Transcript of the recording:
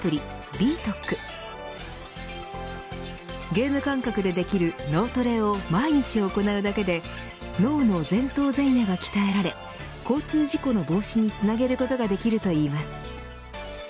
ゲーム感覚でできる脳トレを毎日行うだけで脳の前頭前野が鍛えられ交通事故の防止につなげることができるといいます。